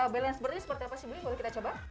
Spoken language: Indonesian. balance board ini seperti apa sih